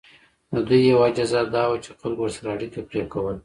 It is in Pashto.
د دوی یوه جزا دا وه چې خلکو ورسره اړیکه پرې کوله.